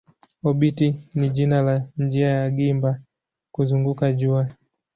Obiti ni jina la njia ya gimba kuzunguka jua.